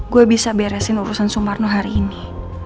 gue bisa beresin urusan sumarno hari ini